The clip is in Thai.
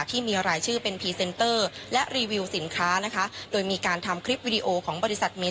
ที่มีรายชื่อเป็นและรีวิวสินค้านะคะโดยมีการทำคลิปของบริษัท